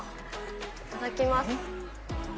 いただきます。